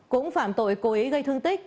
cũng phạm tội cố ý gây thương tích